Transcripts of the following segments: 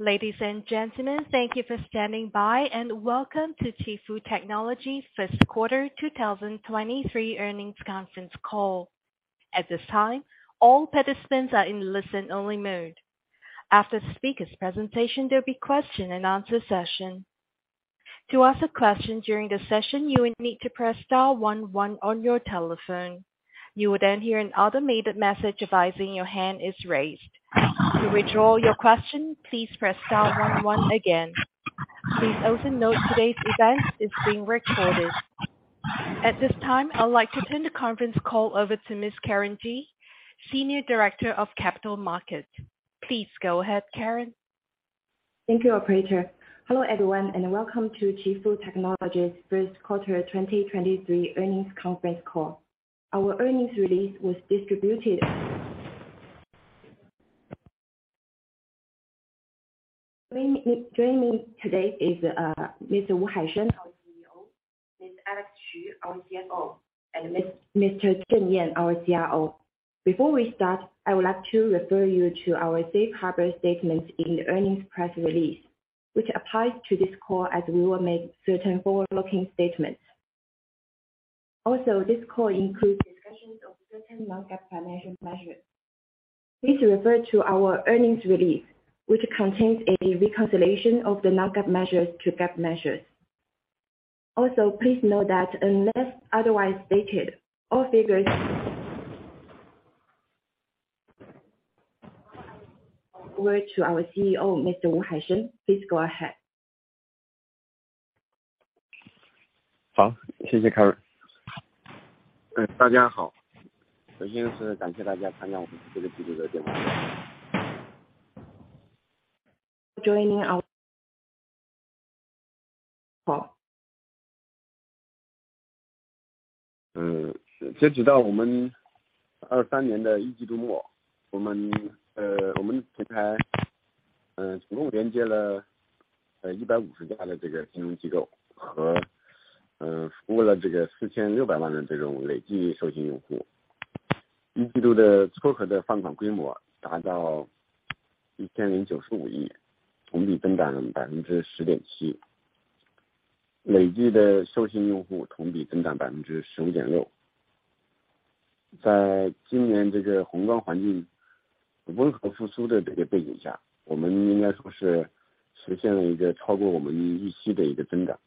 Ladies and Gentlemen, thank you for standing by, welcome to Qifu Technology First Quarter 2023 Earnings Conference Call. At this time, all participants are in listen only mode. After the speaker's presentation, there'll be question and answer session. To ask a question during the session, you will need to press star one one on your telephone. You will hear an automated message advising your hand is raised. To withdraw your question, please press star one one again. Please also note today's event is being recorded. At this time, I would like to turn the conference call over to Miss Karen Ji, Senior Director of Capital Markets. Please go ahead, Karen. Thank you, operator. Hello everyone, and welcome to Qifu Technology First Quarter 2023 Earnings Conference Call. Our earnings release was distributed. Joining me today is Mr. Haisheng Wu, our CEO, Ms. Alex Xu, our CFO, and Mr. Zheng Yan, our CRO. Before we start, I would like to refer you to our Safe Harbor statements in the earnings press release, which applies to this call as we will make certain forward-looking statements. Also, this call includes discussions of certain non-GAAP financial measures. Please refer to our earnings release, which contains a reconciliation of the non-GAAP measures to GAAP measures. Also, please note that unless otherwise stated, all figures. Over to our CEO, Mr. Haisheng Wu. Please go ahead. 好， 谢谢 Karen。大家 好， 首先是感谢大家参加我们这个季度的电话。Join me now. 好. 嗯， 截止到我们二三年的一季度 末， 我 们， 呃， 我们平 台， 呃， 成功连接了一百五十家的这个金融机 构， 和， 呃， 服务了这个四千六百万的这种累计授信用户。一季度的撮合的放款规模达到一千零九十五 亿， 同比增长百分之十点七。累计的授信用户同比增长百分之十五点六。在今年这个宏观环境温和复苏的这个背景 下， 我们应该说是实现了一个超过我们预期的一个增长。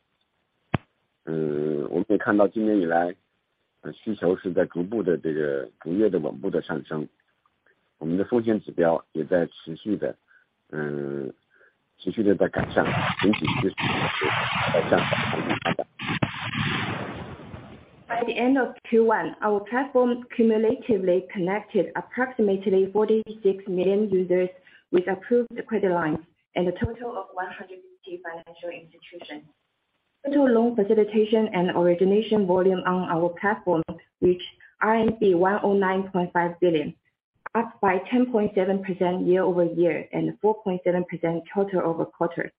呃， 我们可以看到今年以 来， 需求是在逐步的这个逐月地稳步地上 升， 我们的风险指标也在持续 地， 嗯， 持续地在改善。前几次是改善。By the end of Q1, our platform cumulatively connected approximately 46 million users with approved credit lines and a total of 150 financial institutions. Total loan facilitation and origination volume on our platform, which RMB 109.5 billion, up by 10.7% year-over-year and 4.7% quarter-over-quarter.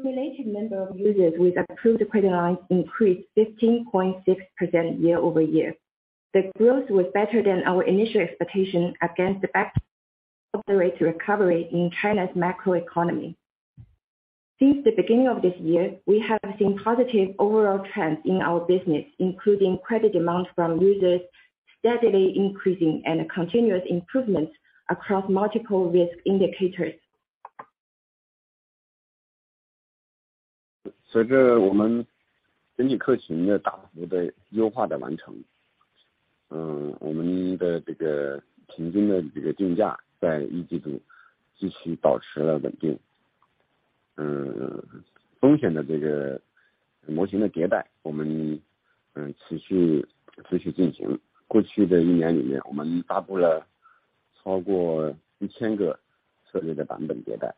Cumulated number of users with approved credit lines increased 15.6% year-over-year. The growth was better than our initial expectation against the back recovery in China's macro economy. Since the beginning of this year, we have seen positive overall trends in our business, including credit demand from users steadily increasing and continuous improvements across multiple risk indicators. 随着我们征信客群的大规模的优化的完 成， 嗯， 我们的这个平均的这个定价在一季度继续保持了稳定。嗯， 风险的这个模型的迭 代， 我 们， 嗯， 持 续， 持续进行。过去的一年里 面， 我们发布了超过一千个策略的版本迭 代，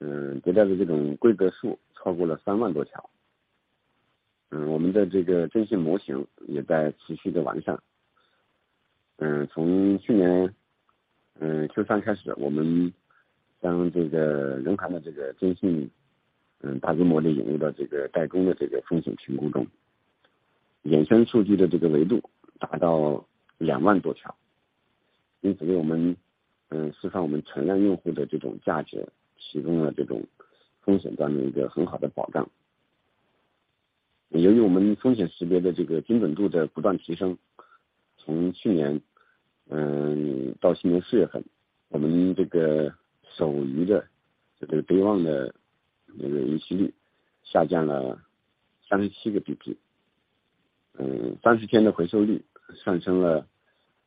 嗯， 迭代的这种规则数超过了三万多条。嗯， 我们的这个征信模型也在持续地完善。嗯， 从去 年， 嗯 ，Q3 开 始， 我们将这个人行的这个征 信， 嗯， 大规模地引入到这个代工的这个风险评估中。衍生数据的这个维度达到两万多 条， 因此给我 们， 嗯， 使我们存量用户的这种价值提供了这种风险方面一个很好的保障。由于我们风险识别的这个精准度在不断提 升， 从去 年， 嗯， 到今年四月 份， 我们这个守约的这个备忘的那个逾期率下降了三十七个 BP， 嗯， 三十天的回收率上升了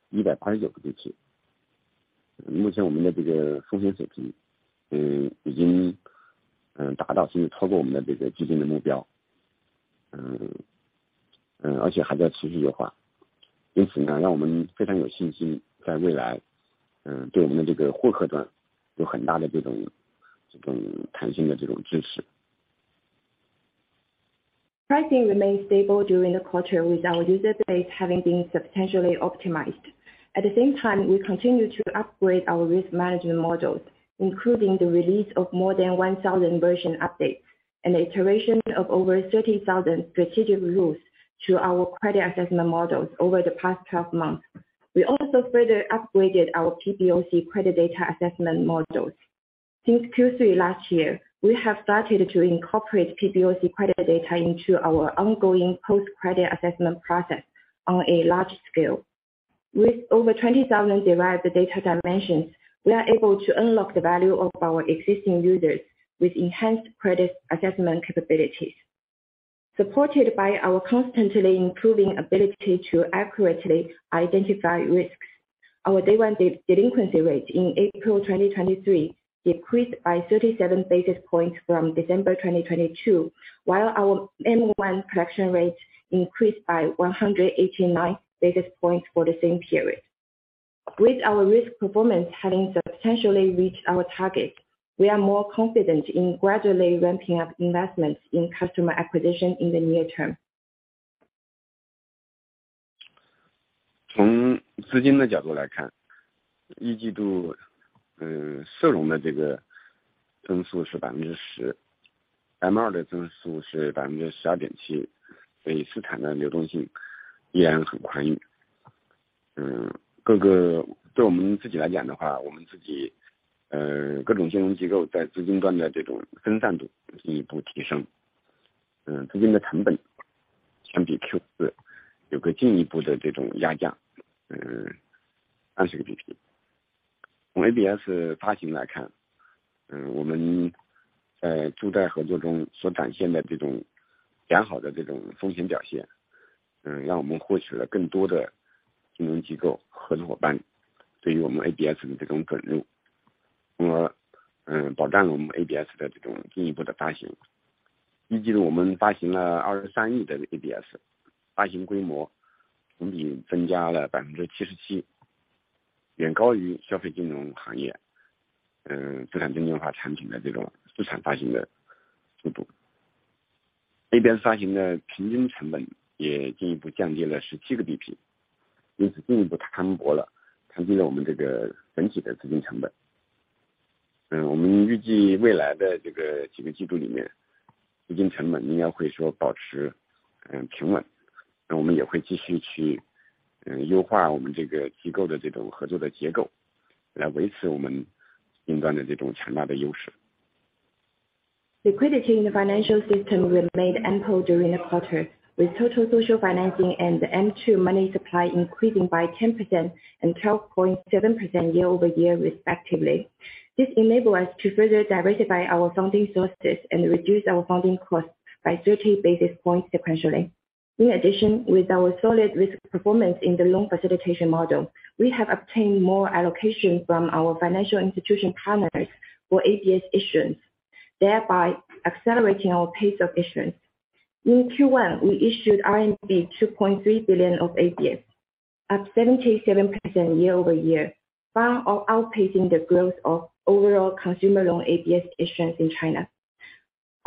一百八十九个 BP。目前我们的这个风险水 平， 嗯， 已 经， 嗯， 达到甚至超过我们的这个既定的目 标， 嗯， 嗯， 而且还在持续优化。因此 呢， 让我们非常有信心在未 来， 嗯， 对我们的这个获客端有很大的这 种， 这种弹性的这种支持。Pricing remained stable during the quarter, with our user base having been substantially optimized. At the same time, we continue to upgrade our risk management models, including the release of more than 1,000 version updates and iterations of over 30,000 strategic routes to our credit assessment models over the past 12 months. We also further upgraded our PBOC credit data assessment models. Since Q3 last year, we have started to incorporate PBOC credit data into our ongoing post credit assessment process on a large scale. With over 20,000 derived data dimensions, we are able to unlock the value of our existing users with enhanced credit assessment capabilities. Supported by our constantly improving ability to accurately identify risks. Our day one delinquency rate in April 2023 decreased by 37 basis points from December 2022, while our N1 collection rate increased by 189 basis points for the same period. With our risk performance having substantially reached our target, we are more confident in gradually ramping up investments in customer acquisition in the near term. 从资金的角度来 看， Q1， 涉农的这个增速是 10%， M2 的增速是 12.7%， 市场的流动性依然很宽裕。对我们自己来讲的 话， 我们自 己， 各种金融机构在资金端的这种分散度进一步提 升， 资金的成本相比 Q4 有个进一步的这种压 价， 20 BP。从 ABS 发行来 看， 我们在助贷合作中所展现的这种良好的这种风险表 现， 让我们获取了更多的金融机构合作伙伴对于我们 ABS 的这种认购。保障了我们 ABS 的这种进一步的发行。Q1 我们发行了 CNY 2.3 billion 的 ABS， 发行规模同比增加了 77%， 远高于消费金融行 业， 资产证券化产品的这种市场发行的速度。那边发行的平均成本也进一步降低了17 BP， 进一步摊薄 了， 降低了我们这个整体的资金成本。我们预计未来的这个几个季度里 面， 资金成本应该会说保持平 稳， 我们也会继续去优化我们这个机构的这种合作的结 构， 来维持我们终端的这种强大的优势。Liquidity in the financial system remained ample during the quarter, with total social financing and M2 money supply increasing by 10% and 12.7% year-over-year respectively. This enable us to further diversify our funding sources and reduce our funding costs by 30 basis points sequentially. In addition, with our solid risk performance in the loan facilitation model, we have obtained more allocation from our financial institution partners for ABS issuance, thereby accelerating our pace of issuance. In Q1, we issued RMB 2.3 billion of ABS at 77% year-over-year, far outpacing the growth of overall consumer loan ABS issuance in China.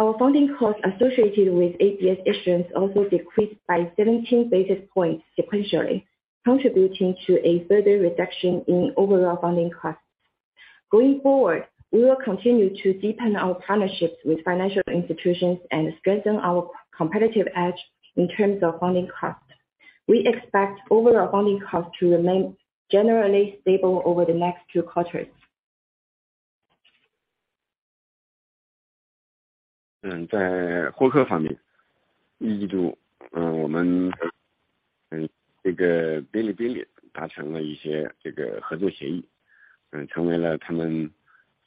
Our funding costs associated with ABS issuance also decreased by 17 basis points sequentially, contributing to a further reduction in overall funding costs. Going forward, we will continue to deepen our partnerships with financial institutions and strengthen our competitive edge in terms of funding costs. We expect overall funding costs to remain generally stable over the next two quarters. 在获客方 面， Q1 我们这个 Bilibili 达成了一些这个合作协 议， 成为了他们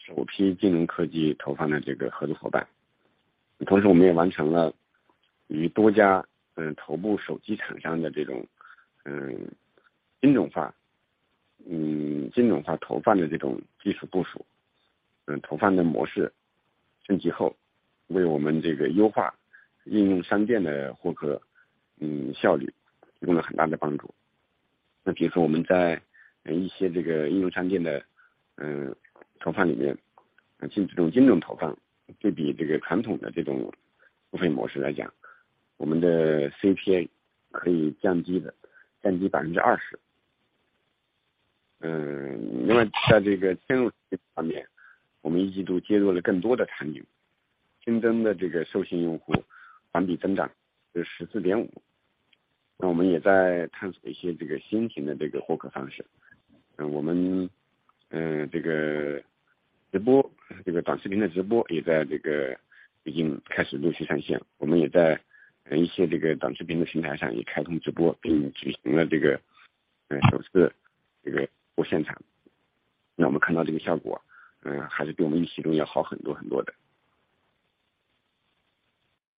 首批金融科技投放的这个合作伙伴。同时我们也完成了与多家头部手机厂商的这种精准化投放的这种技术部署。投放的模式升级 后， 为我们这个优化应用商店的获客效率提供了很大的帮助。比如说我们在一些这个应用商店的投放里 面， 就这种精准投 放， 就比这个传统的这种付费模式来讲，我们的 CPA 可以降低 的， 降低 20%。另外在这个接入方 面， 我们 Q1 接入了更多的场 景， 新增的这个授信用户环比增长是 14.5%。我们也在索一些这个新型的这个获客方 式， 我们这个直 播， 这个短视频的直播也在这个已经开始陆续上 线， 我们也在一些这个短视频的平台上也开放直 播， 并进行了这个首次这个播现场。我们看到这个效 果， 还是比我们预期中要好很多很多的。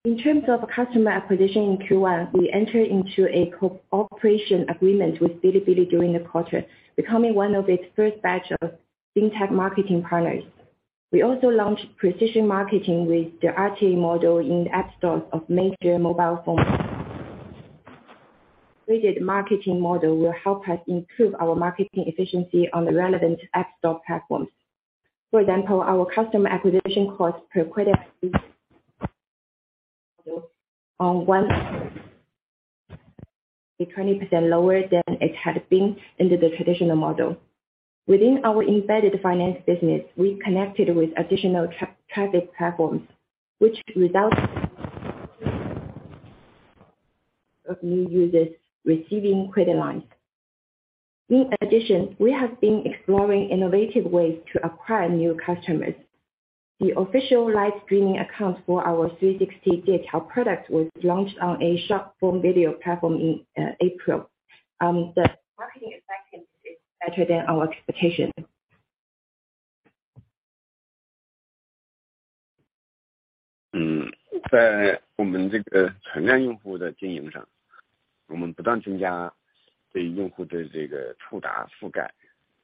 In terms of customer acquisition in Q1, we enter into a cooperation agreement with Bilibili during the quarter, becoming one of its first batch of fintech marketing partners. We also launched precision marketing with the RTB model in app stores of major mobile phone. Rated marketing model will help us improve our marketing efficiency on the relevant app store platforms. For example, our customer acquisition cost per credit on one be 20% lower than it had been in the traditional model. Within our embedded finance business, we connected with additional traffic platforms which results of new users receiving credit lines. We have been exploring innovative ways to acquire new customers. The official live streaming account for our 360 digital product was launched on a short-form video platform in April. The marketing effectiveness is better than our expectations. 嗯， 在我们这个存量用户的经营 上， 我们不断增加对用户的这个触达覆 盖，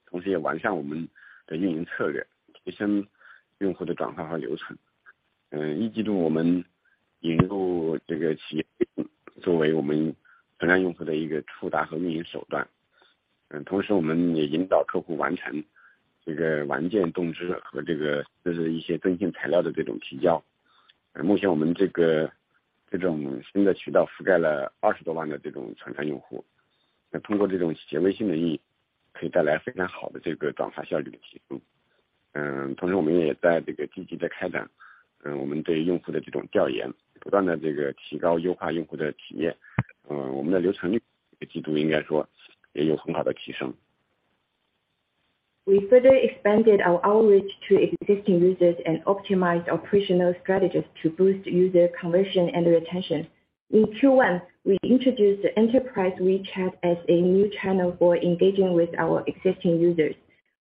同时也完善我们的运营策 略， 提升用户的转化和流程。嗯， 一季度我们引入这个企业作为我们存量用户的一个触达和运营手段， 嗯， 同时我们也引导客户完成这个完建动资和这 个， 就是一些征信材料的这种提交。呃， 目前我们这 个， 这种新的渠道覆盖了二十多万的这种存量用 户， 那通过这种企业微信的意义可以带来非常好的这个转化效率的提升。嗯， 同时我们也在这个积极地开 展， 呃， 我们对用户的这种调 研， 不断地这个提高优化用户的体 验， 嗯， 我们的流程率这个季度应该说也有很好的提升。We further expanded our outreach to existing users and optimized operational strategies to boost user conversion and retention. In Q1, we introduced the Enterprise WeChat as a new channel for engaging with our existing users,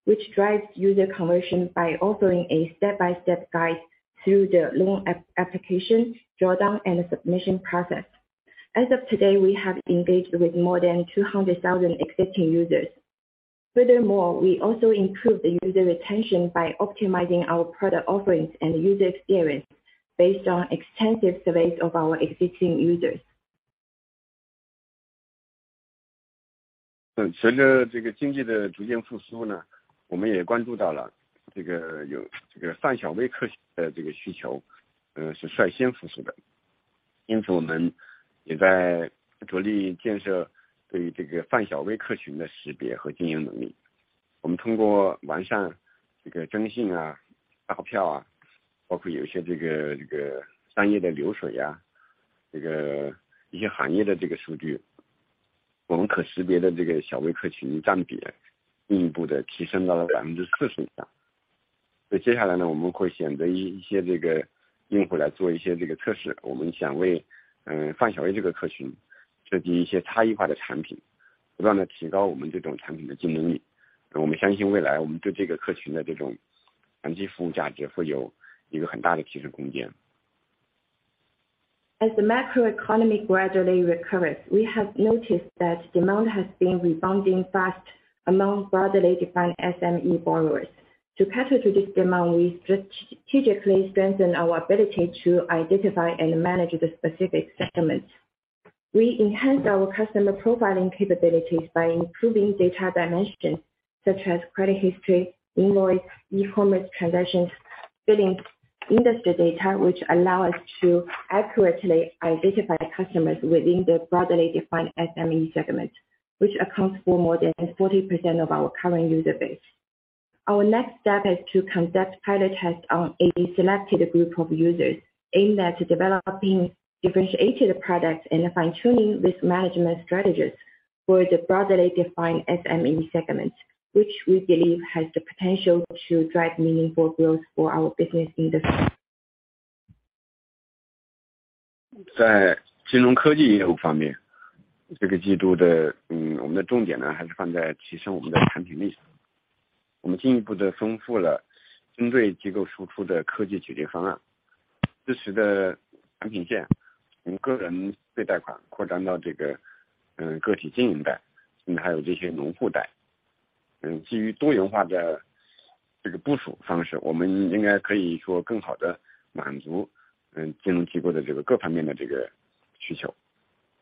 which drives user conversion by offering a step-by-step guide through the loan application, drawdown, and submission process. As of today, we have engaged with more than 200,000 existing users. Furthermore, we also improve the user retention by optimizing our product offerings and user experience based on extensive surveys of our existing users. 随着这个经济的逐渐复 苏， 我们也关注到了这 个， 有这个泛小微客的这个需 求， 是率先复苏的。我们也在着力建设对于这个泛小微客群的识别和经营能力。我们通过完善这个征信、发 票， 包括有一些这个商业的流水、一些行业的这个数 据， 我们可识别的这个小微客群占比进一步地提升到了 40% 以上。接下 来， 我们会选择一些这个用户来做一些这个测 试， 我们想为泛小微这个客群设计一些差异化的产 品， 不断地提高我们这种产品的竞争力。我们相信未来我们对这个客群的这种产品服务价值也会有一个很大的提升空间。As the macro economy gradually recovers, we have noticed that demand has been rebounding fast among broadly defined SME borrowers. To cater to this demand, we strategically strengthen our ability to identify and manage the specific segments. We enhance our customer profiling capabilities by improving data dimensions such as credit history, invoice, e-commerce transactions, billings, industry data, which allow us to accurately identify customers within the broadly defined SME segment, which accounts for more than 40% of our current user base. Our next step is to conduct pilot tests on a selected group of users aimed at developing differentiated products and fine-tuning risk management strategies for the broadly defined SME segment, which we believe has the potential to drive meaningful growth for our business in the 在金融科技业务方 面， 这个季度 的， 嗯， 我们的重点 呢， 还是放在提升我们的产品力上。我们进一步地丰富了针对机构输出的科技解决方 案， 支持的产品线从个人贷贷款扩展到这 个， 嗯， 个体经营 贷， 嗯， 还有这些农户贷。嗯， 基于多元化的这个部署方 式， 我们应该可以说更好地满 足， 嗯， 金融机构的这个各方面的这个需求。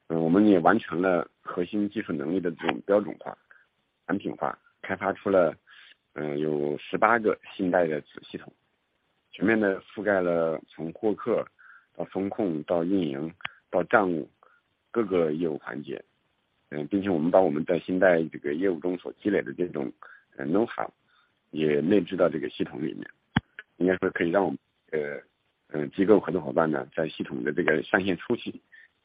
嗯， 我们也完成了核心技术能力的这种标准化、产品 化， 开发出了， 嗯， 有十八个信贷的子系 统， 全面地覆盖了从获客到风控到运营到账务各个业务环节。嗯， 并且我们把我们在信贷这个业务中所积累的这种 knowhow 也内置到这个系统里 面， 应该说可以让我 们， 呃， 嗯， 机构合作伙伴 呢， 在系统的这个上线初期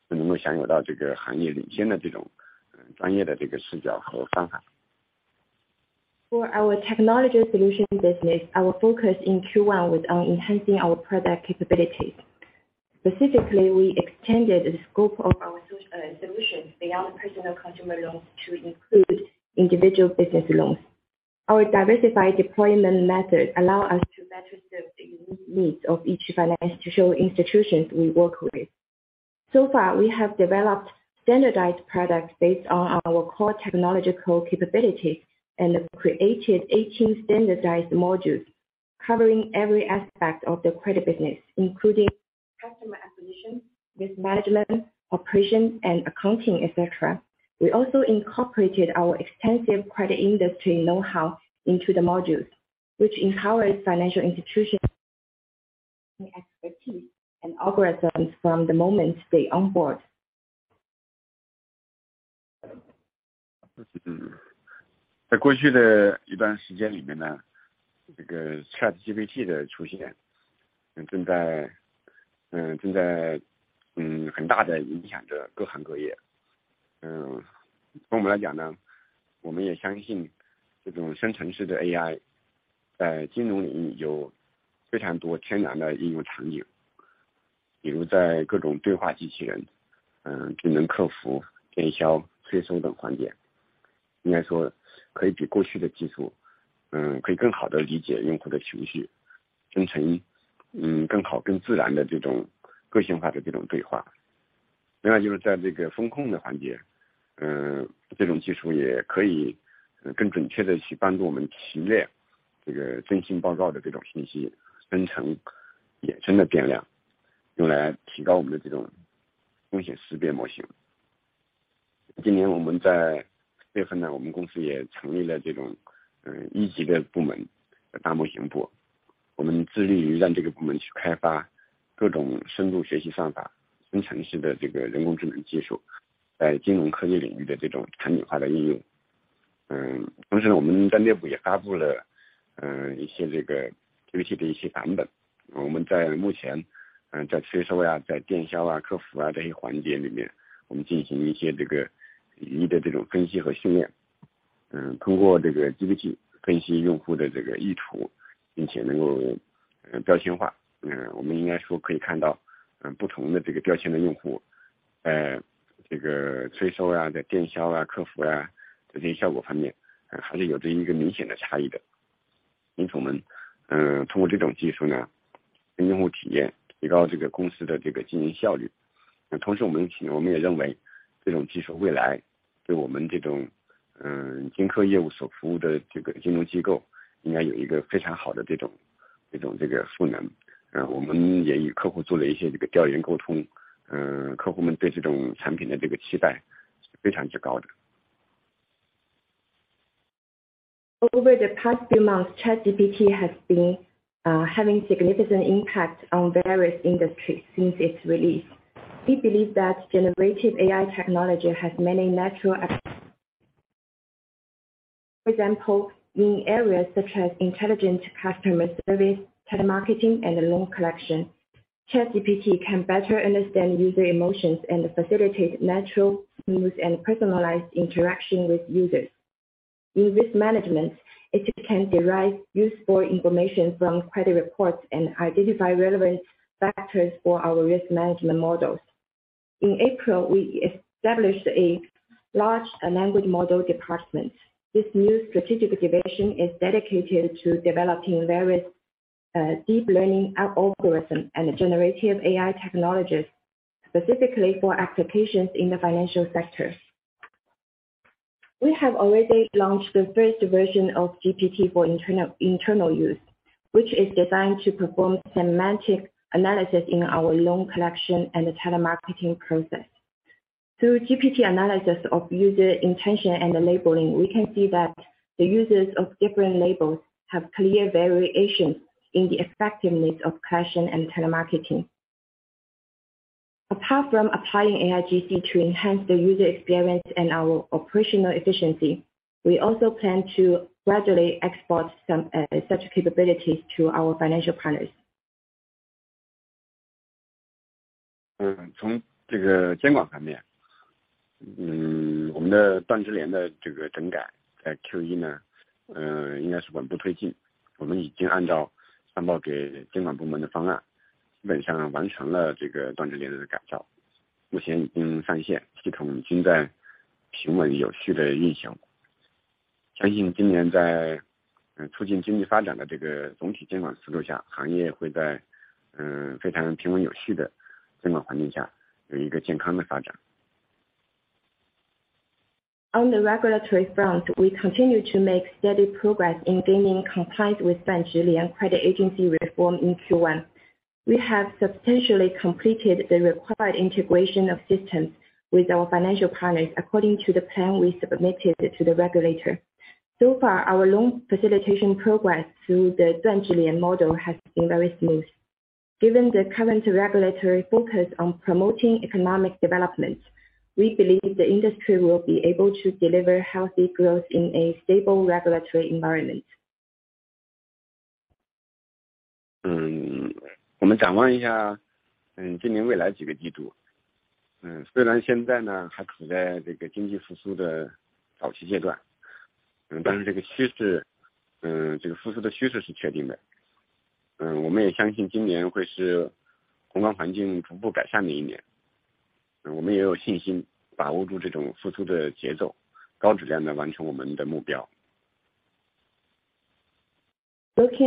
就能够享受到这个行业领先的这 种， 嗯， 专业的这个视角和方法。For our technology solution business, our focus in Q1 was on enhancing our product capabilities. Specifically, we extended the scope of our solutions beyond personal consumer loans to include individual business loans. Our diversified deployment method allow us to better serve the unique needs of each financial institutions we work with. We have developed standardized products based on our core technological capability and have created 18 standardized modules covering every aspect of the credit business, including customer acquisition, risk management, operation and accounting, etc. We also incorporated our extensive credit industry knowhow into the modules, which empowers financial institutions expertise and algorithms from the moment they onboard. 在过去的一段时间里面呢这个 ChatGPT 的出现正在很大的影响着 各行各业. 从我们来讲呢我们也相信这种生成式的 AI 在金融领域有非常多天然的应用场景比如在各种对话机器人智能客服、电销、催收等环节应该说可以比过去的技术可以更好地理解用户的情绪生成更好更自然的这种个性化的这种 对话. 另外就是在这个风控的环节这种技术也可以更准确地去帮助我们训练这个征信报告的这种信息生成衍生的变量用来提高我们的这种风险识别 模型. 今年我们在6月份呢我们公司也成立了这种一级的部门叫大模型 部. 我们致力于让这个部门去开发各种深度学习算法生成式的这个人工智能技术在金融科技领域的这种产品化的 应用. 同时呢我们在内部也发布了一些这个特别的一些 版本. 我们在目前在催收 啊， 在电销 啊， 客服啊这些环节里面我们进行一些这个唯一的这种分析和 训练. 通过这个机器分析用户的这个意图并且能够标签 化. 我们应该说可以看到不同的这个标签的用户在这个催收 啊， 在电销 啊， 客服啊这些效果方面还是有着一个明显的差异 的. 因此我们通过这种技术呢提升用户体验提高这个公司的这个经营 效率. 同时我们也认为这种技术未来对我们这种金科业务所服务的这个金融机构应该有一个非常好的这种这种这个赋能 啊. 我们也与客户做了一些这个调研 沟通. 客户们对这种产品的这个期待是非常之高 的. Over the past few months, ChatGPT has been having significant impact on various industries since its release. We believe that generative AI technology has many natural for example, in areas such as intelligent customer service, telemarketing and loan collection. ChatGPT can better understand user emotions and facilitate natural smooth and personalized interaction with users. In risk management, it can derive useful information from credit reports and identify relevant factors for our risk management models. In April, we established a large language model department. This new strategic division is dedicated to developing various deep learning algorithms and generative AI technologies specifically for applications in the financial sector. We have already launched the first version of GPT for internal use, which is designed to perform semantic analysis in our loan collection and telemarketing process. Through GPT analysis of user intention and labeling, we can see that the users of different labels have clear variations in the effectiveness of collection and telemarketing. Apart from applying AIGC to enhance the user experience and our operational efficiency, we also plan to gradually export some such capabilities to our financial partners. 嗯从这个监管层面嗯我们的断直连的这个整改在 Q1 呢嗯应该是稳步推进我们已经按照上报给监管部门的方案基本上完成了这个断直连的改造目前已经上线系统已经在平稳有序地运行相信今年在促进经济发展的这个总体监管思路下行业会在嗯非常平稳有序的监管环境下有一个健康的发展。On the regulatory front, we continue to make steady progress in gaining compliance with 断直连 credit agency reform in Q1. We have substantially completed the required integration of systems with our financial partners according to the plan we submitted to the regulator. So far, our loan facilitation progress through the 断直连 model has been very smooth. Given the current regulatory focus on promoting economic development, we believe the industry will be able to deliver healthy growth in a stable regulatory environment. 我们展望一下今年未来几个季度虽然现在呢还处在这个经济复苏的早期阶段这个趋势这个复苏的趋势是确定的我们也相信今年会是宏观环境逐步改善的一年我们也有信心把握住这种复苏的节奏高质量地完成我们的目 标. Looking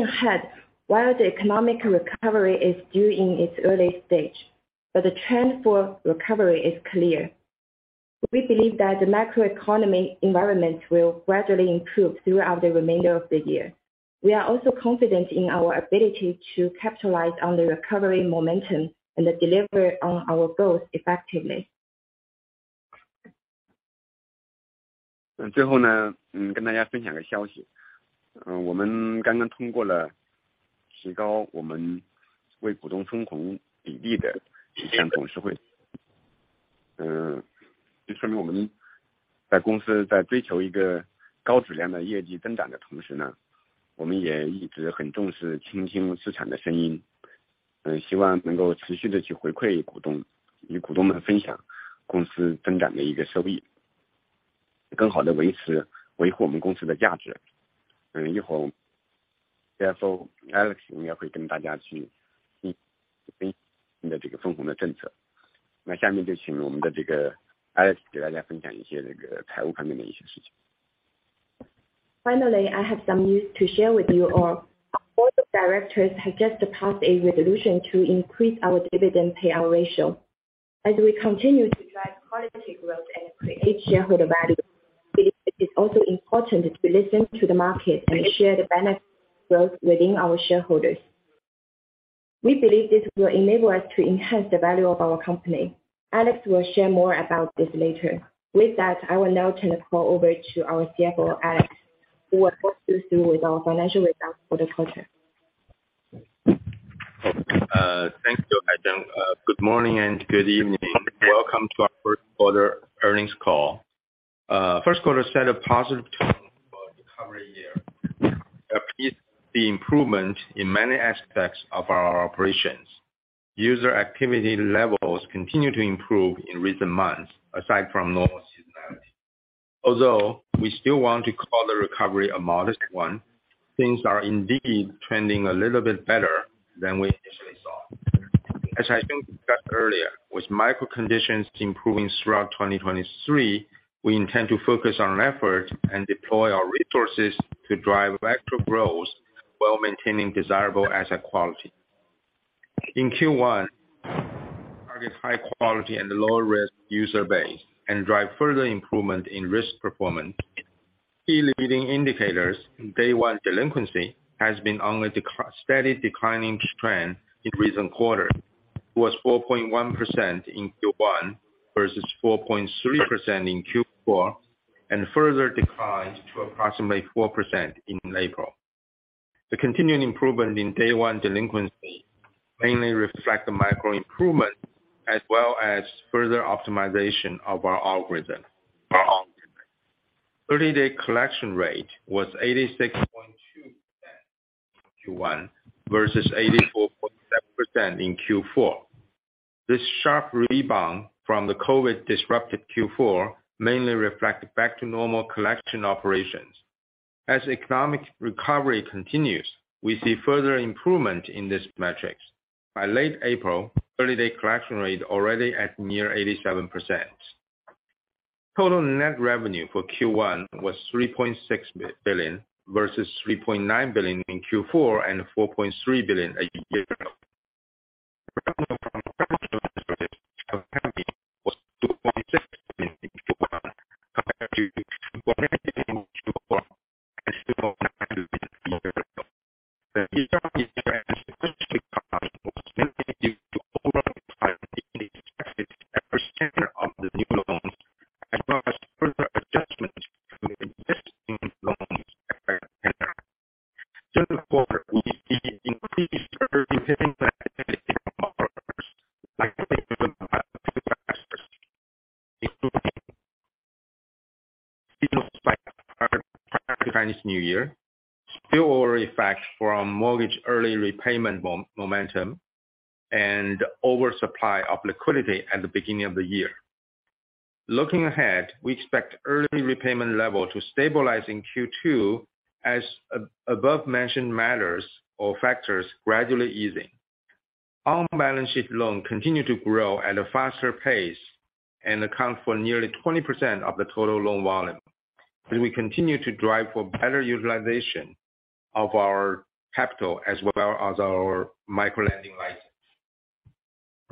ahead, while the economic recovery is still in its early stage, but the trend for recovery is clear. We believe that the macroeconomic environment will gradually improve throughout the remainder of the year. We are also confident in our ability to capitalize on the recovery momentum and deliver on our goals effectively. 最后 呢， 嗯跟大家分享个消 息， 嗯我们刚刚通过了提高我们为股东分红比例的一项董事会。嗯这说明我们在公司在追求一个高质量的业绩增长的同时呢，我们也一直很重视倾听市场的声 音， 嗯希望能够持续地去回馈股 东， 与股东们分享公司增长的一个收 益， 更好地维持维护我们公司的价值。那一会 CFO Alex 应该会跟大家去的这个分红的政策。那下面就请我们的这个 Alex 给大家分享一些这个财务方面的一些事情。Finally I have some news to share with you all. Our board of directors has just passed a resolution to increase our dividend payout ratio. As we continue to drive quality growth and create shareholder value, it is also important to listen to the market and share the benefit growth within our shareholders. We believe this will enable us to enhance the value of our company. Alex will share more about this later. With that, I will now turn the call over to our CFO, Alex, who will walk you through with our financial results for the quarter. Thanks, Wu Haisheng. Good morning and good evening. Welcome to our first quarter earnings call. First quarter set a positive tone for recovery year. Repeat the improvement in many aspects of our operations. User activity levels continue to improve in recent months, aside from normal seasonality. Although we still want to call the recovery a modest one, things are indeed trending a little bit better than we initially saw. As Haisheng discussed earlier, with micro conditions improving throughout 2023, we intend to focus our effort and deploy our resources to drive back to growth while maintaining desirable asset quality. In Q1, target high quality and lower risk user base and drive further improvement in risk performance. Key leading indicators, day one delinquency has been on the steady declining trend in recent quarter. Was 4.1% in Q1 versus 4.3% in Q4, and further declined to approximately 4% in April. The continuing improvement in day one delinquency mainly reflect the micro improvement as well as further optimization of our algorithm. 30-day collection rate was 86.2% in Q1 versus 84.7% in Q4. This sharp rebound from the COVID disrupted Q4 mainly reflect back to normal collection operations. As economic recovery continues, we see further improvement in this metrics. By late April, 30-day collection rate already at near 87%. Total net revenue for Q1 was 3.6 billion versus 3.9 billion in Q4, and 4.3 billion a year ago. Revenue from platform service was CNY 2.6 billion in Q1 compared to CNY 2.8 billion in Q4 and CNY 2.5 billion a year ago. The year-over-year and sequential decline was mainly due to overall decline in expected average tenor of the new loans, as well as further adjustment to existing loans expected tenor. During the quarter, we see increased early repayment activity from our despite the impact of Chinese New Year, spillover effect from mortgage early repayment momentum, and oversupply of liquidity at the beginning of the year. Looking ahead, we expect early repayment level to stabilize in Q2 as above mentioned matters or factors gradually easing. On-balance sheet loans continue to grow at a faster pace and account for nearly 20% of the total loan volume. We continue to drive for better utilization of our capital as well as our micro lending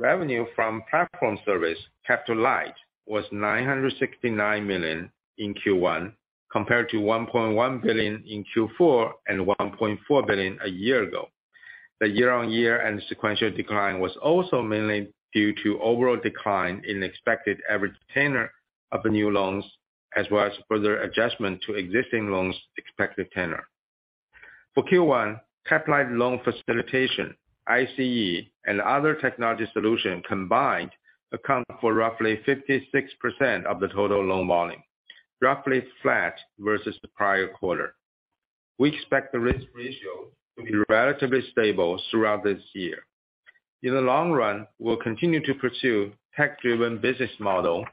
license. Revenue from platform service, Capital Light, was $969 million in Q1, compared to $1.1 billion in Q4 and $1.4 billion a year ago. The year-on-year and sequential decline was also mainly due to overall decline in expected average tenor of new loans, as well as further adjustment to existing loans expected tenor. For Q1, Capital Light loan facilitation, ICE and other technology solution combined account for roughly 56% of the total loan volume, roughly flat versus the prior quarter. We expect the risk ratio to be relatively stable throughout this year. In the long run, we'll continue to pursue tech-driven business model,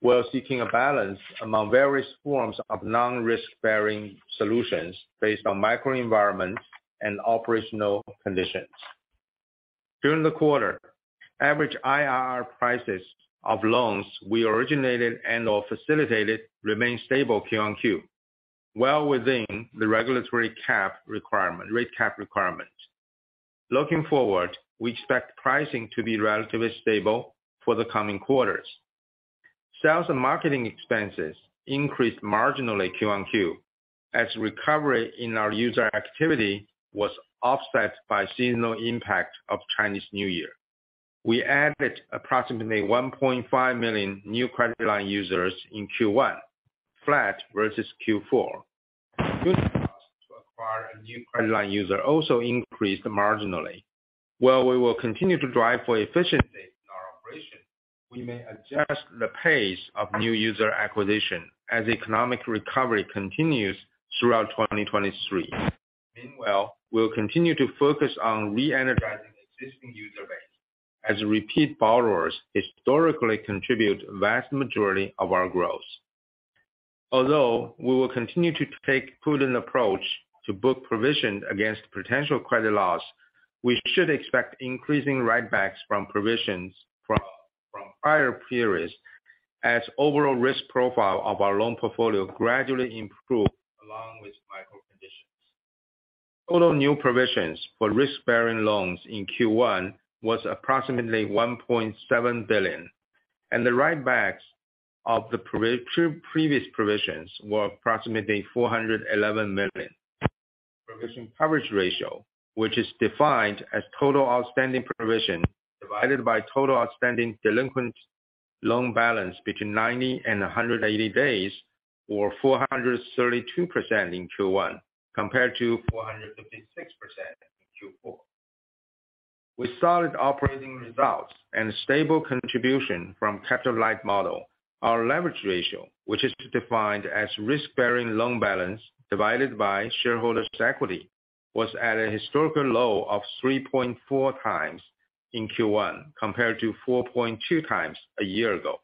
while seeking a balance among various forms of non-risk bearing solutions based on microenvironment and operational conditions. During the quarter, average IRR prices of loans we originated and or facilitated remained stable Q on Q, well within the regulatory rate cap requirement. Looking forward, we expect pricing to be relatively stable for the coming quarters. Sales and marketing expenses increased marginally Q on Q, as recovery in our user activity was offset by seasonal impact of Chinese New Year. We added approximately 1.5 million new credit line users in Q1, flat versus Q4. To acquire a new credit line user also increased marginally. While we will continue to drive for efficiency in our operation, we may adjust the pace of new user acquisition as economic recovery continues throughout 2023. Meanwhile, we'll continue to focus on re-energizing existing user base as repeat borrowers historically contribute vast majority of our growth. Although we will continue to take prudent approach to book provision against potential credit loss, we should expect increasing write-backs from provisions from prior periods as overall risk profile of our loan portfolio gradually improve along with micro conditions. Total new provisions for risk-bearing loans in Q1 was approximately 1.7 billion, and the write-backs of the previous provisions were approximately 411 million. Provision coverage ratio, which is defined as total outstanding provision divided by total outstanding delinquent loan balance between 90 and 180 days were 432% in Q1 compared to 456% in Q4. With solid operating results and stable contribution from Capital Light model, our leverage ratio, which is defined as risk-bearing loan balance divided by shareholders' equity, was at a historical low of 3.4 times in Q1 compared to 4.2 times a year ago.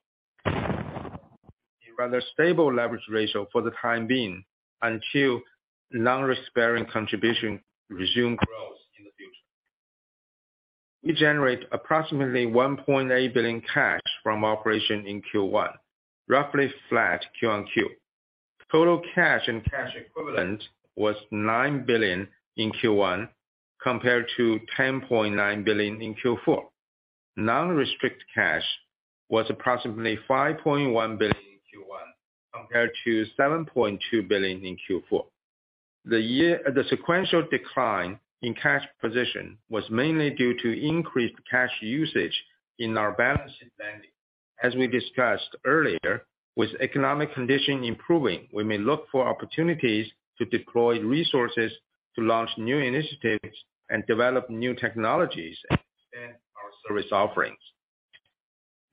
A rather stable leverage ratio for the time being until non-risk-bearing contribution resume growth in the future. We generate approximately 1.8 billion cash from operation in Q1, roughly flat Q on Q. Total cash and cash equivalent was 9 billion in Q1 compared to 10.9 billion in Q4. Non-restricted cash was approximately 5.1 billion in Q1 compared to 7.2 billion in Q4. The sequential decline in cash position was mainly due to increased cash usage in our balance lending. As we discussed earlier, with economic condition improving, we may look for opportunities to deploy resources to launch new initiatives and develop new technologies and expand our service offerings.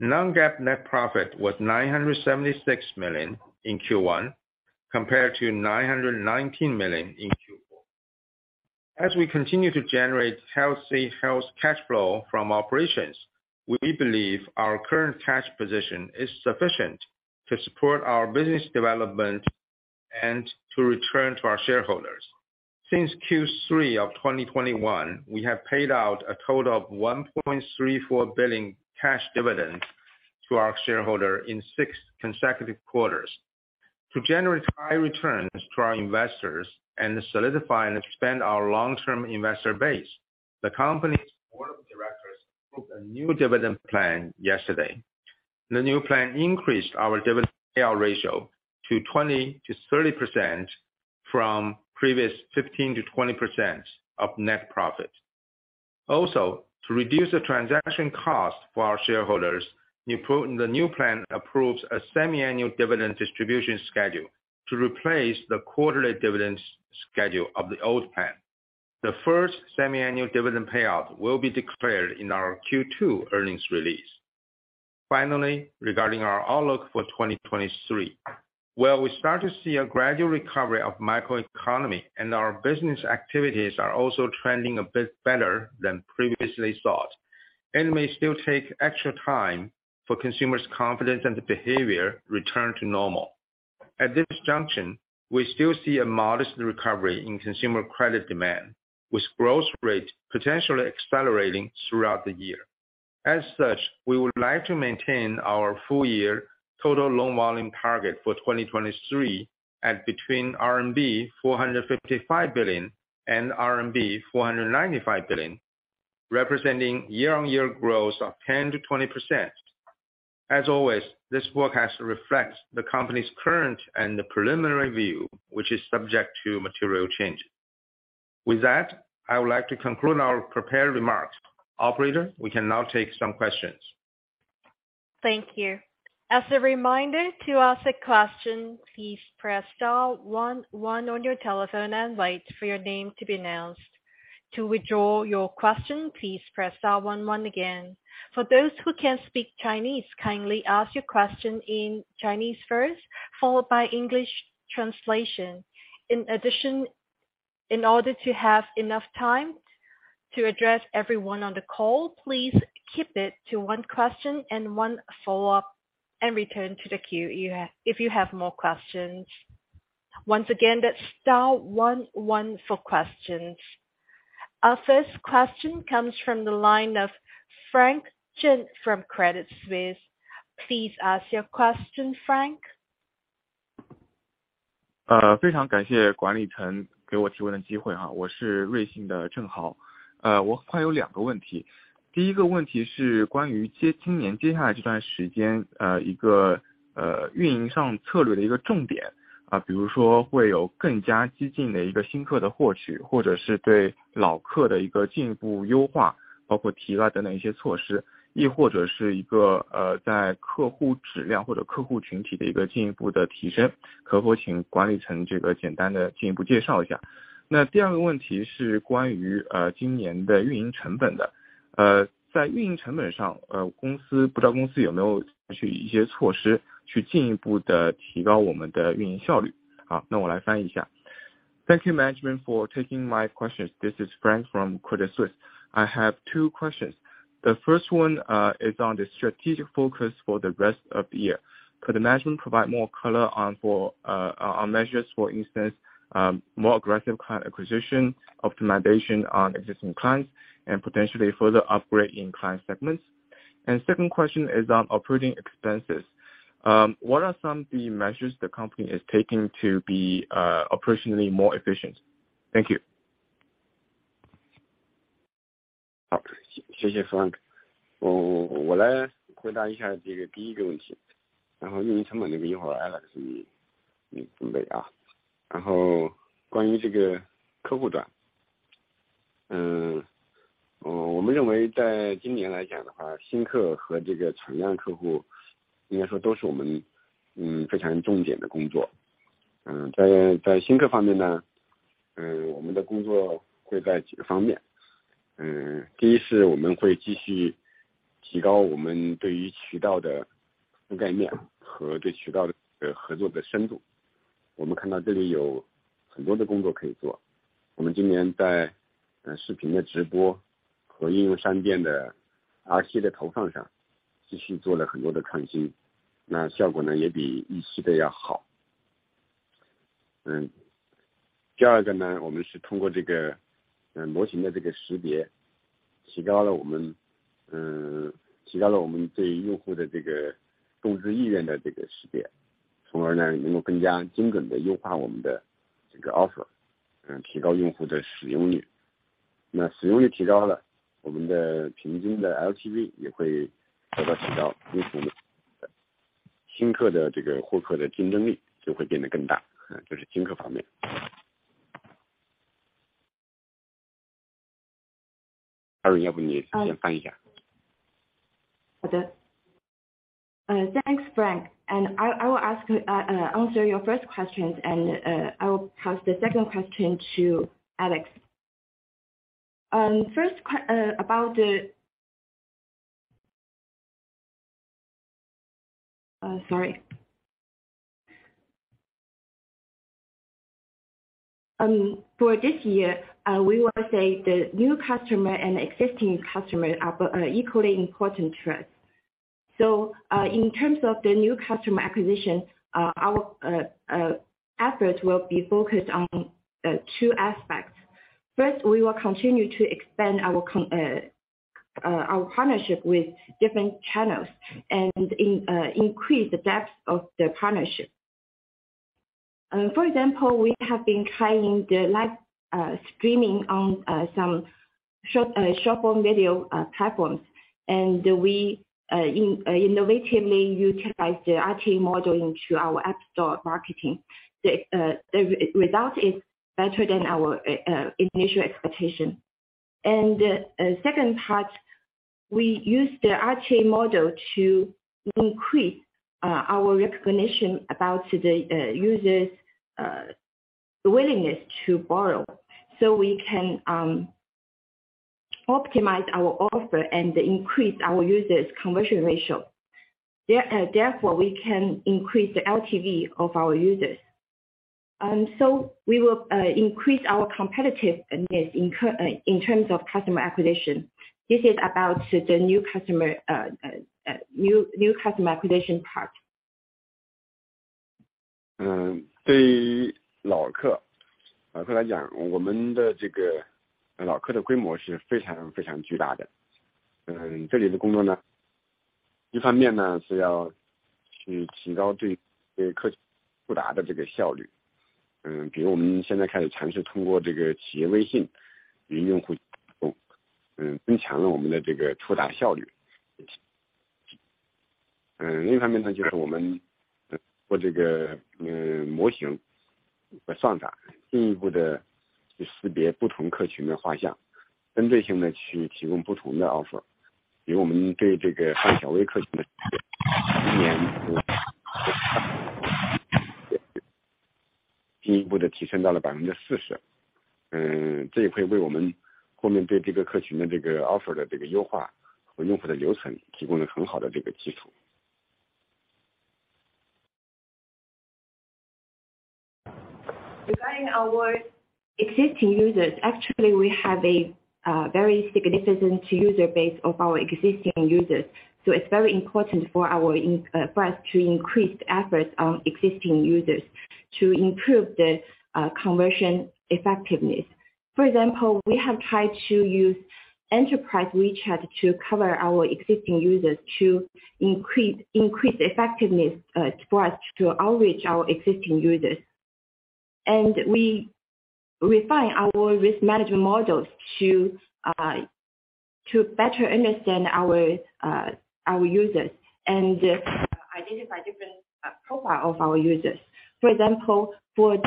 Non-GAAP net profit was 976 million in Q1 compared to 919 million in Q4. As we continue to generate healthy cash flow from operations, we believe our current cash position is sufficient to support our business development and to return to our shareholders. Since Q3 of 2021, we have paid out a total of 1.34 billion cash dividends to our shareholder in six consecutive quarters. To generate high returns to our investors and solidify and expand our long-term investor base, the company's board of directors approved a new dividend plan yesterday. The new plan increased our dividend payout ratio to 20%-30% from previous 15%-20% of net profit. Also, to reduce the transaction cost for our shareholders, the new plan approves a semiannual dividend distribution schedule to replace the quarterly dividend schedule of the old plan. The first semiannual dividend payout will be declared in our Q2 earnings release. Finally, regarding our outlook for 2023, while we start to see a gradual recovery of microeconomy and our business activities are also trending a bit better than previously thought, it may still take extra time for consumers' confidence and behavior return to normal. At this junction, we still see a modest recovery in consumer credit demand, with growth rate potentially accelerating throughout the year. As such, we would like to maintain our full year total loan volume target for 2023 at between RMB 455 billion and RMB 495 billion, representing year-on-year growth of 10%-20%. As always, this forecast reflects the company's current and preliminary view, which is subject to material change. With that, I would like to conclude our prepared remarks. Operator, we can now take some questions. Thank you. As a reminder, to ask a question, please press star one one on your telephone and wait for your name to be announced. To withdraw your question, please press star one one again. For those who can speak Chinese, kindly ask your question in Chinese first, followed by English translation. In addition, in order to have enough time to address everyone on the call, please keep it to one question and one follow-up and return to the queue if you have more questions. Once again, that's star one one for questions. Our first question comes from the line of Frank Zheng from Credit Suisse. Please ask your question, Frank. 非常感谢管理层给我提供的机会哈。我是 Credit Suisse 的郑豪。我有 2个问题。第一个问题是关于今年接下来这段 时间，一个 运营上策略的一个 重点，比如说 会有更加激进的一个新客的 获取，或者 是对老客的一个进一步 优化，包括 提额等的一些 措施，亦 或者是一个在客户质量或者客户群体的一个进一步的提升。可否请管理层这个简单地进一步介绍 一下？第二个 问题是关于今年的运营成本的。在运营成本 上，公司 不知道有没有采取一些措施去进一步地提高我们的运营效率。我来翻译 一下。Thank you management for taking my questions. This is Frank from Credit Suisse. I have two questions. The first one is on the strategic focus for the rest of the year. Could the management provide more color on our measures for instance, more aggressive client acquisition, optimization on existing clients, and potentially further upgrade in client segments. Second question is on operating expenses. What are some of the measures the company is taking to be personally more efficient? Thank you. 好， 谢 谢， 谢谢 Frank。我我我来回答一下这个第一个问 题， 然后运营成本这个一会儿 Alex 你， 你准备啊。然后关于这个客户端。嗯。我们认为在今年来讲的 话， 新客和这个存量客户应该说都是我们嗯非常重点的工作。嗯 在， 在新客方面 呢， 嗯我们的工作会在几个方面。嗯第一是我们会继续提高我们对于渠道的覆盖面和对渠道的合作的深度。我们看到这里有很多的工作可以做。我们今年在视频的直播和应用商店的 RTA 的投放上继续做了很多的创 新， 那效果 呢， 也比预期的要好。嗯第二个 呢， 我们是通过这个呃模型的这个识 别， 提高了我 们， 嗯提高了我们对于用户的这个众志意愿的这个识 别， 从而呢能够更加精准地优化我们的这个 offer， 嗯提高用户的使用率。那使用率提高了，我们的平均的 LTV 也会得到提 高， 因此呢新客的这个获客的竞争力就会变得更大。嗯这是新客方面。阿睿要不你也先翻译一下。好的。Thanks Frank, I will answer your first questions and I will pass the second question to Alex. First, for this year, we will say the new customer and existing customer are equally important to us. In terms of the new customer acquisition, our efforts will be focused on two aspects. First, we will continue to expand our partnership with different channels and increase the depth of the partnership. For example, we have been trying the live streaming on some short video platforms, and we innovatively utilize the IT model into our app store marketing. The result is better than our initial expectation. Second part, we use the IT model to increase our recognition about the users' willingness to borrow so we can optimize our offer and increase our users conversion ratio. Therefore we can increase the LTV of our users. So we will increase our competitiveness in terms of customer acquisition. This is about the new customer acquisition part. 对于老客来 讲， 我们的这个老客的规模是非常非常巨大的。这里的工作 呢， 一方面呢是要去提高对客触达的这个效率。比如我们现在开始尝试通过这个 Enterprise WeChat 与用户互 动， 增强了我们的这个触达效率。另一方面 呢， 就是我们通过这个模型和算 法， 进一步地去识别不同客群的画 像， 针对性地去提供不同的 offer。比如我们对这个三小微客群的进一步地提升到了 40%。这也会为我们后面对这个客群的这个 offer 的这个优化和用户的流程提供了很好的这个基础。Regarding our existing users. Actually, we have a very significant user base of our existing users, so it's very important for us to increase efforts on existing users to improve the conversion effectiveness. For example, we have tried to use Enterprise WeChat to cover our existing users to increase effectiveness for us to outreach our existing users. We refine our risk management models to better understand our users and identify different profile of our users. For example, for 40%.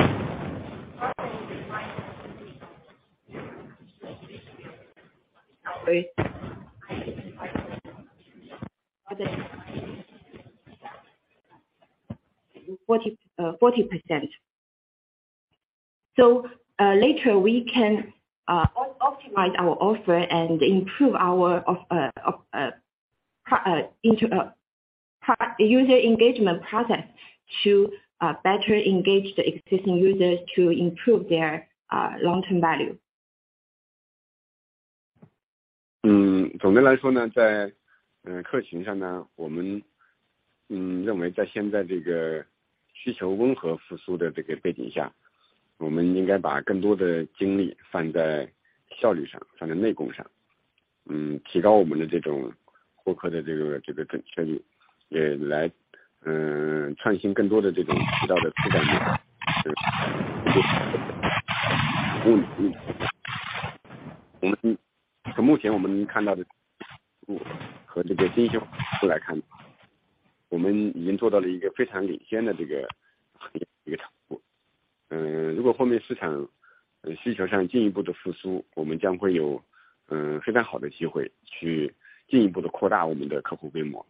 Later we can optimize our offer and improve our into user engagement process to better engage the existing users to improve their long-term value. 嗯总的来说 呢， 在 呃， 客情上 呢， 我们 嗯， 认为在现在这个需求温和复苏的这个背景 下， 我们应该把更多的精力放在效率 上， 放在内功 上， 嗯， 提高我们的这种顾客的这 个， 这个准确率也来， 呃， 创新更多的这种渠道的覆盖面。从目前我们能看到的和这个新兴来 看， 我们已经做到了一个非常领先的这 个， 这个程度。嗯， 如果后面市场 呃， 需求上进一步的复 苏， 我们将会有 呃， 非常好的机会去进一步地扩大我们的客户规模。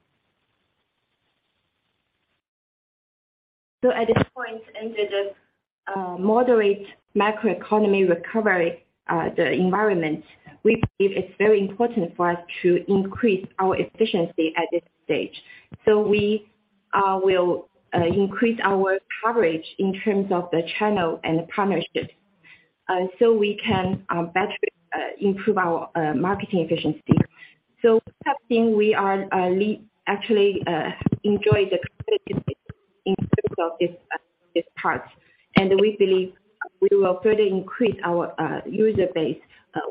At this point, under this moderate macro economy recovery, the environment, we believe it's very important for us to increase our efficiency at this stage. We will increase our coverage in terms of the channel and partnerships, so we can better improve our marketing efficiency. We are actually enjoy the in terms of this part. We believe we will further increase our user base,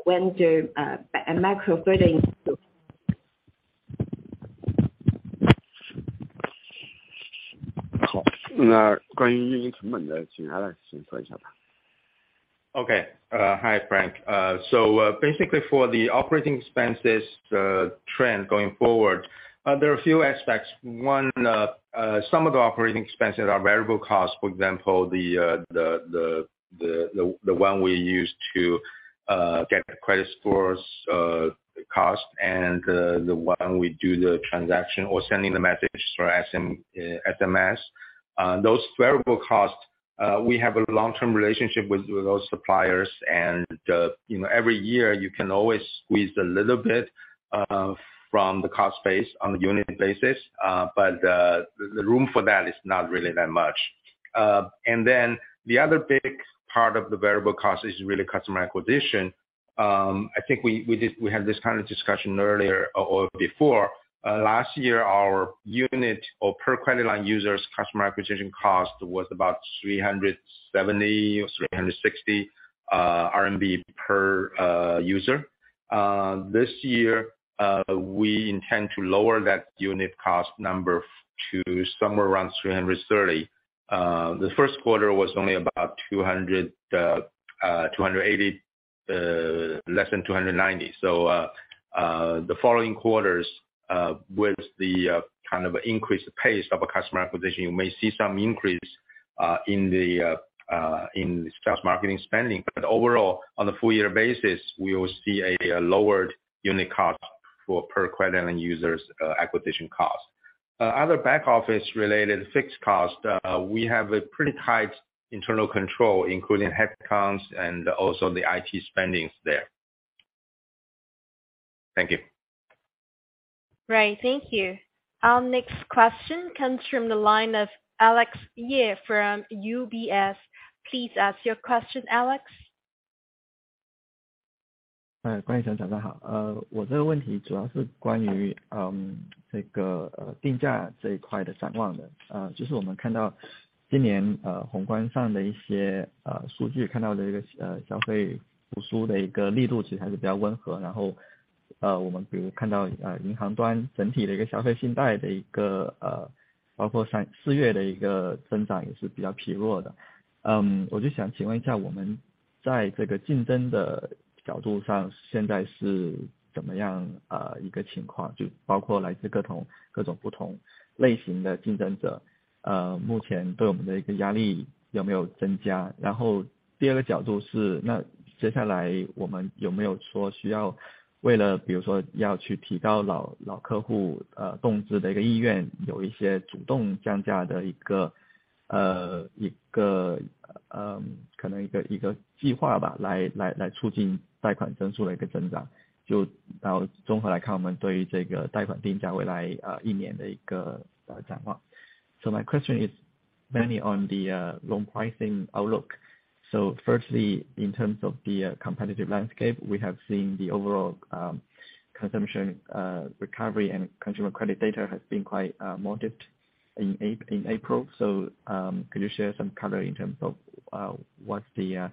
when the macro further. 好，那 关于运营成本的请 Alex 先说一下吧。Okay. Hi Frank. Basically for the operating expenses trend going forward, there are a few aspects. One, some of the operating expenses are variable costs. For example, the one we use to get the credit scores cost and the one we do the transaction or sending the message through SMS, those variable costs, we have a long term relationship with those suppliers. You know, every year you can always squeeze a little bit from the cost base on a unit basis, but the room for that is not really that much. The other big part of the variable cost is really customer acquisition. I think we had this kind of discussion earlier or before. Last year our unit or per credit line users customer acquisition cost was about 370 or 360 RMB per user. This year, we intend to lower that unit cost number to somewhere around 330. The first quarter was only about 200, 280, less than 290. The following quarters, with the kind of increased pace of a customer acquisition, you may see some increase in the in sales marketing spending. Overall, on a full year basis, we will see a lowered unit cost for per credit and users acquisition cost. Other back office related fixed cost, we have a pretty tight internal control, including headcounts and also the IT spendings there. Thank you. Right. Thank you. Our next question comes from the line of Alex Ye from UBS. Please ask your question, Alex. 关于 Mr. Chen 好。我这个问题主要是关于定价这一块的展望的。就是我们看到今年宏观上的一些数 据， 看到的一个消费复苏的一个力度其实还是比较温和。然后我们比如看到银行端整体的一个消费信贷的一个包括三四月的一个增长也是比较疲弱的。我就想请问一 下， 我们在这个竞争的角度 上， 现在是怎么样一个情 况， 就包括来自各种不同类型的竞争 者， 目前对我们的一个压力有没有增 加？ 然后第二个角度是那接下来我们有没有说需要为了比如说要去提高老客户动资的一个意 愿， 有一些主动降价的一个可能一个计划 吧， 来促进贷款增速的一个增 长， 就然后综合来 看， 我们对于这个贷款定价未来一年的一个展望。My question is mainly on the loan pricing outlook. Firstly, in terms of the competitive landscape, we have seen the overall consumption recovery and consumer credit data has been quite modest in April, so can you share some color in terms of what the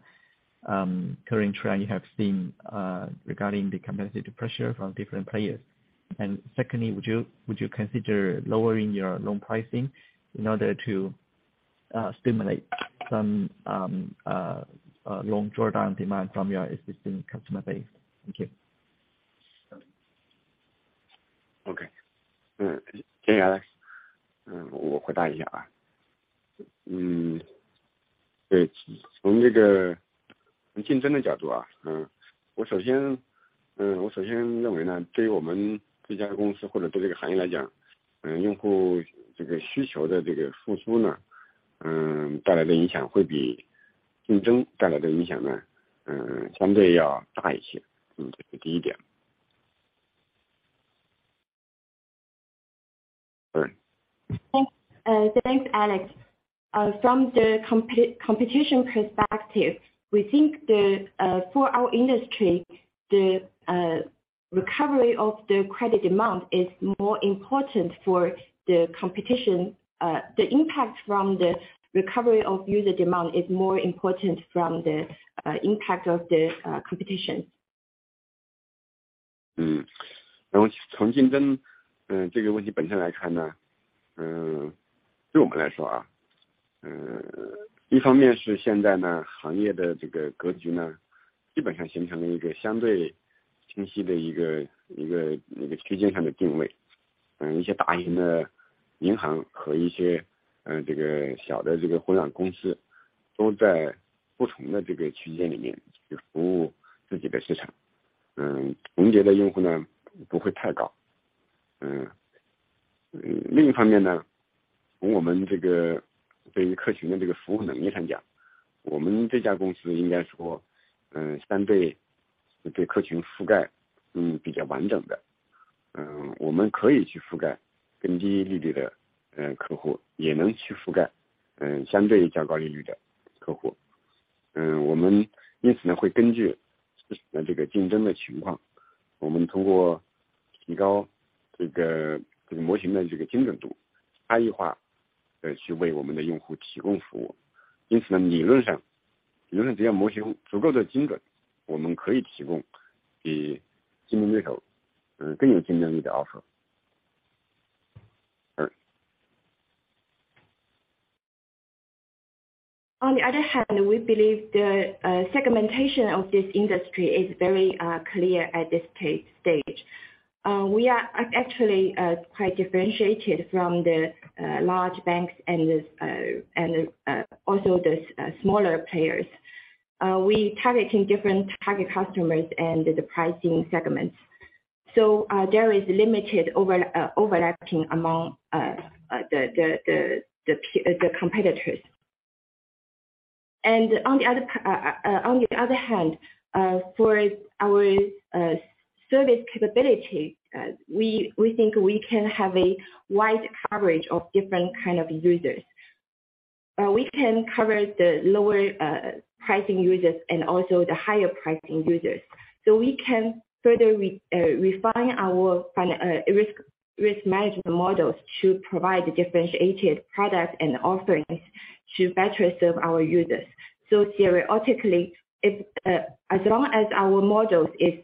current trend you have seen regarding the competitive pressure from different players? Secondly, would you consider lowering your loan pricing in order to stimulate some loan drawdown demand from your existing customer base? Thank you Okay. 听得到。我回答一下吧。从这个竞争的角 度， 我首先认为 呢， 对于我们这家公司或者对这个行业来 讲， 用户这个需求的这个复苏 呢， 带来的影响会比竞争带来的影响 呢， 相对要大一些。这是第一点。Thanks. Thanks, Alex. From the competition perspective, we think that, for our industry, the recovery of the credit demand is more important for the competition. The impact from the recovery of user demand is more important from the impact of the competition. 从竞争这个问题本身来看 呢， 对我们 来说， 一方面是现在 呢， 行业的这个格局 呢， 基本上形成了一个相对清晰的一个区间上的定位。一些大型的银行和一些小的这个互联网公司都在不同的这个区间里面去服务自己的 市场， 重叠的用户 呢， 不会太高。另一方面 呢， 从我们这个对于客群的这个服务能力上 讲， 我们这家公司应该 说， 相对对客群覆盖比较完整 的， 我们可以去覆盖更低利率的 客户， 也能去覆盖相对较高利率的客户。我们因此 呢， 会根据这个竞争的 情况， 我们通过提高这个模型的这个 精准度， 差异化， 去为我们的用户提供服务。理论 上， 只要模型足够的 精准， 我们可以提供比竞争对手更有竞争力的 offer。We believe the segmentation of this industry is very clear at this stage. We are actually quite differentiated from the large banks and this and also the smaller players. We targeting different target customers and the pricing segments. There is limited overlapping among the competitors. On the other hand, for our service capability, we think we can have a wide coverage of different kind of users. We can cover the lower pricing users and also the higher pricing users. We can further refine our risk management models to provide differentiated products and offerings to better serve our users. Theoretically, if, as long as our models is,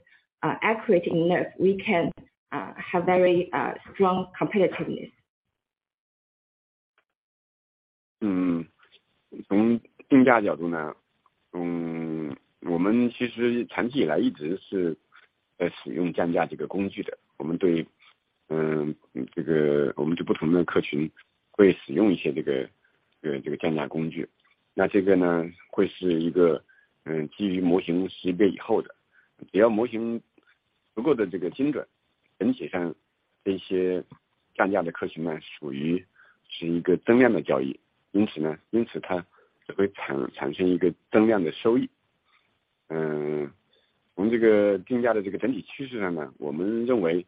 accurate enough, we can, have very, strong competitiveness. 嗯， 从定价角度 呢， 嗯， 我们其实长期以来一直是在使用降价这个工具的。我们 对， 嗯， 这个我们就不同的客群会使用一些这 个， 这 个， 这个降价工 具， 那这个 呢， 会是一 个， 嗯， 基于模型训练以后 的， 只要模型足够的这个精 准， 整体上这一些降价的客群 呢， 属于是一个增量的交 易， 因此 呢， 因此它只会产-产生一个增量的收益。嗯， 我们这个定价的这个整体趋势上 呢， 我们认 为，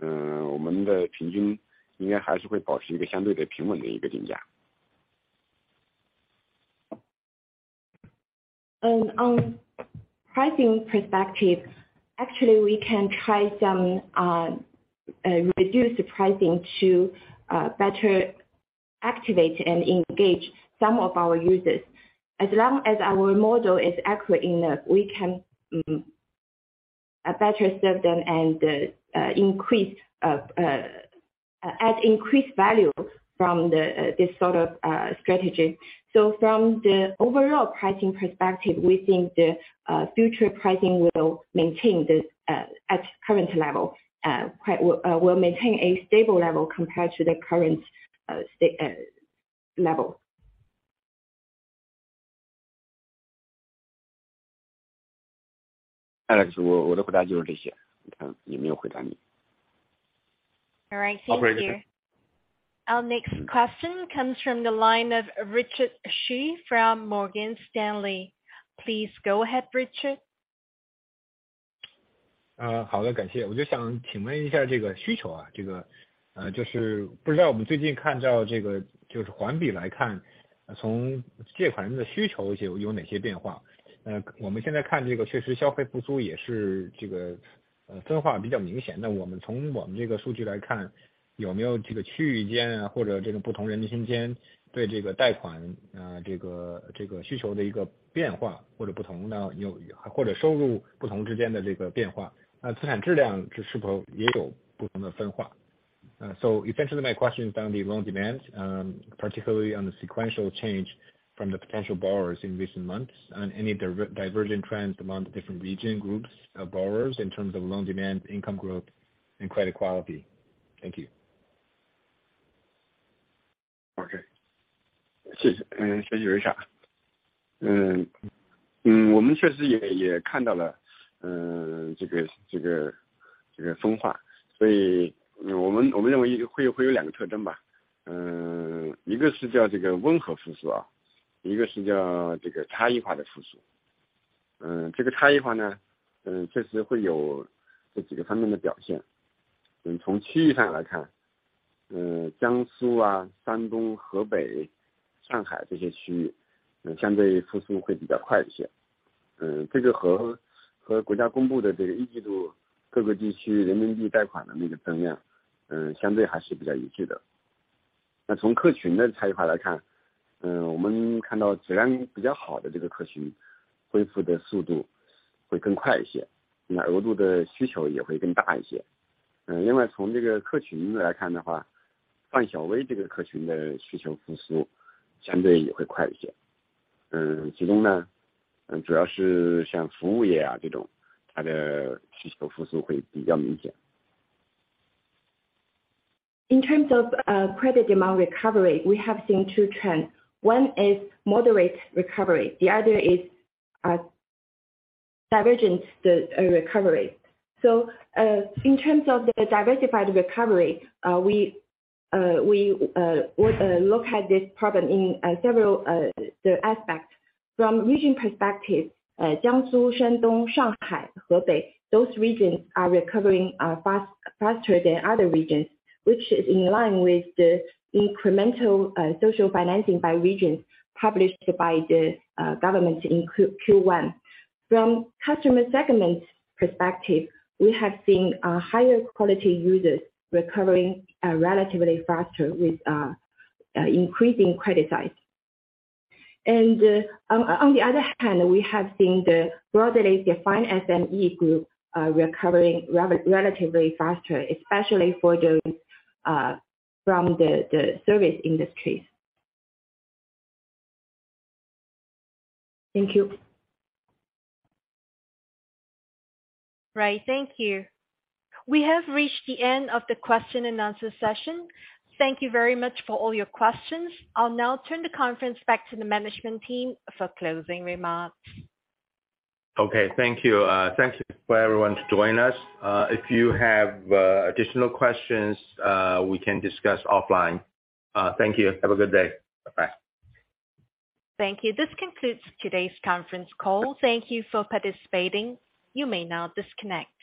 嗯， 我们的平均应该还是会保持一个相对的平稳的一个定价。On pricing perspective, actually we can try some reduce the pricing to better activate and engage some of our users. As long as our model is accurate enough, we can better serve them and increase add increased value from the this sort of strategy. From the overall pricing perspective, we think the future pricing will maintain the at current level, will maintain a stable level compared to the current level. Alex, 我的回答就是这 些, 你看有没有回答 你. All right. Thank you. Our next question comes from the line of Richard Xu from Morgan Stanley. Please go ahead, Richard. 好的，感谢。我 就想请问一下这个需 求， 这 个， 就是不知道我们最近看到这 个， 就是环比来 看， 从借款人的需求有哪些变化。我们现在看这个确实消费复苏也是这 个， 分化比较明显。那我们从我们这个数据来 看， 有没有这个区域 间， 或者这个不同人群间对这个贷 款， 这个需求的一个变 化， 或者不同的有或者收入不同之间的这个变 化， 资产质量是否也有不同的分 化？ Essentially my question is on the loan demand, particularly on the sequential change from the potential borrowers in recent months. Any divergent trends among the different region groups of borrowers in terms of loan demand, income growth, and credit quality? Thank you. OK, 谢谢. 谢谢 瑞萨. 我们确实也看到 了, 这个分 化. 我们认为会有2个特征 吧, 1个是叫这个温和复 苏, 1个是叫这个差异化的复 苏. 这个差异化 呢, 确实会有这几个方面的表 现. 我们从区域上来 看, 江 苏, 山 东, 河 北, 上海这些区 域, 相对复苏会比较快一 些. 这个和国家公布的这个1季度各个地区人民币贷款的那个增 量, 相对还是比较一致 的. 从客群的差异化来 看, 我们看到质量比较好的这个客群恢复的速度会更快一 些, 那额度的需求也会更大一 些. 从这个客群来看的 话, 万小微这个客群的需求复苏相对也会快一 些, 其中 呢, 主要是像服务业这 种, 它的需求复苏会比较明 显. In terms of credit demand recovery, we have seen two trends. One is moderate recovery. The other is divergent recovery. In terms of the diversified recovery, we would look at this problem in several aspects. From region perspective, Jiangsu, Shandong, Shanghai, Hebei, those regions are recovering faster than other regions, which is in line with the incremental social financing by region published by the government in Q1. From customer segment perspective, we have seen higher quality users recovering relatively faster with increasing credit size. On the other hand, we have seen the broadly defined SME group recovering relatively faster, especially for those from the service industries. Thank you. Right. Thank you. We have reached the end of the question-and-answer session. Thank you very much for all your questions. I'll now turn the conference back to the management team for closing remarks. Okay, thank you. Thanks for everyone to join us. If you have additional questions, we can discuss offline. Thank you. Have a good day. Bye bye. Thank you. This concludes today's conference call. Thank you for participating. You may now disconnect.